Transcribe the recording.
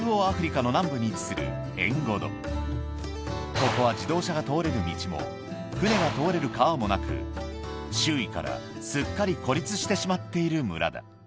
ここは自動車が通れる道も船が通れる川もなく周囲からすっかり孤立してしまっている村だ